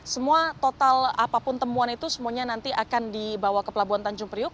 semua total apapun temuan itu semuanya nanti akan dibawa ke pelabuhan tanjung priuk